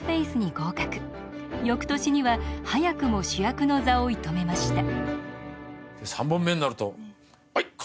翌年には早くも主役の座を射止めました。